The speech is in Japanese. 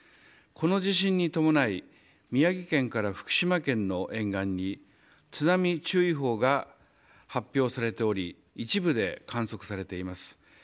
この地震に伴い宮城県から福島県の沿岸に津波注意報が発表されており一部で観測されています。